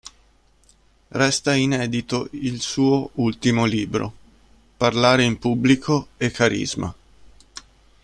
Resta inedito il suo ultimo libro, "Parlare in pubblico e Carisma".